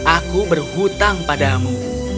aku berhutang padamu